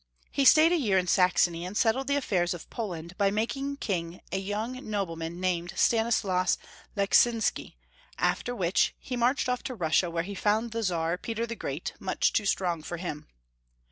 He stayed a year in Saxony, and settled the affairs of Poland by making king a young nobleman Joseph J. S79 named Stanislas Lecksinsky, after which he marched off to Exiwsia, where he found the Czar, Peter the Great, much too strong for him.